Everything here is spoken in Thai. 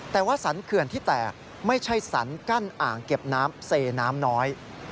แต่ว่าสรรเขื่อนที่แตกไม่ใช่สรรกั้นอ่างเก็บน้ำเซน้ำน้อย